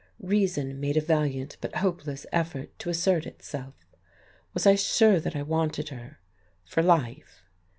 Reason made a valiant but hopeless effort to assert itself. Was I sure that I wanted her for life?